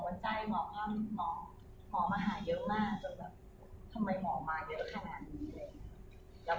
ก็ส่งไปฮัทย์ไมว่าแบบนี้เจอตายเลยนะเขาก็ส่งไปว่าอ่านหมดแล้วเขาอ่านอันนี้แหละ